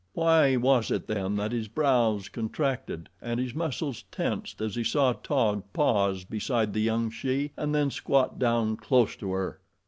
Why was it then that his brows contracted and his muscles tensed as he saw Taug pause beside the young she and then squat down close to her?